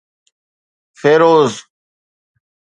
Feroze